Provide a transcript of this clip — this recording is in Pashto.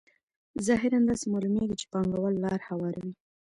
ظاهراً داسې معلومېږي چې پانګوال لار هواروي